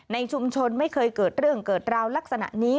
ในชุมชนไม่เคยเกิดเรื่องเกิดราวลักษณะนี้